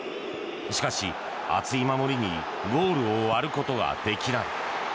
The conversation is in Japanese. しかし、厚い守りにゴールを割ることはできない。